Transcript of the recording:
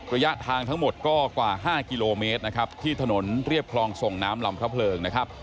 ระยะทางทั้งหมดก็กว่า๕กิโลเมตรนะครับที่ถนนเรียบคลองส่งน้ำลำพระเพลิงนะครับ